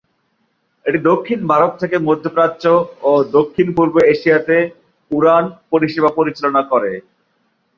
এটি দক্ষিণ ভারত থেকে মধ্যপ্রাচ্য ও দক্ষিণ-পূর্ব এশিয়াতে উড়ান পরিষেবা পরিচালনা করে।